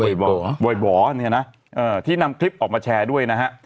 บ่อยบ่อเนี่ยนะที่นำคลิปออกมาแชร์ด้วยนะฮะ